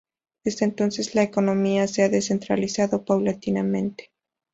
Desde entonces, la economía se ha descentralizado paulatinamente.